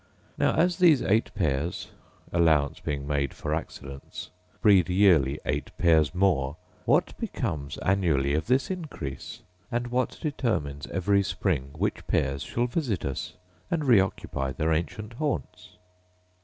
Now as these eight pairs, allowance being made for accidents, breed yearly eight pairs more, what becomes annually of this increase; and what determines every spring which pairs shall visit us, and reoccupy their ancient haunts